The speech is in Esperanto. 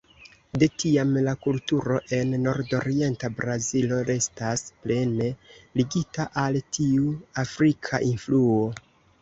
De tiam la kulturo en Nordorienta Brazilo restas plene ligita al tiu afrika influo.